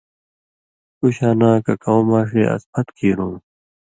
ݜُو شاناں، کہ کؤں ماݜے اس پھت کیرُوں،